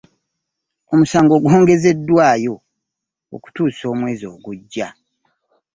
Omusango gwongezeddwayo okuusa omwezi ogujja.